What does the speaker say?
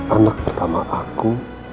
anak pertama aku